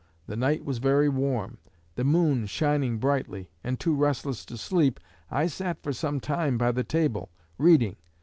The night was very warm, the moon shining brightly, and, too restless to sleep, I sat for some time by the table, reading.